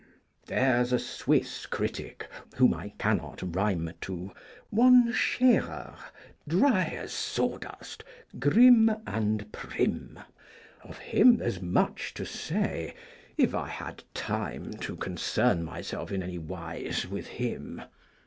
There's a Swiss critic whom I cannot rhyme to, One Scherer, dry as sawdust, grim and prim. Of him there's much to say, if I had time to Concern myself in any wise with him.